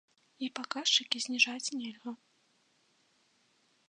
І паказчыкі зніжаць нельга.